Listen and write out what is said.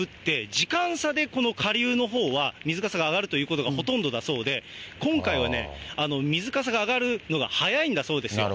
時間差でこの下流のほうは水かさが上がるということがほとんどだそうで、今回は水かさが上がるのが早いんだそうですよ。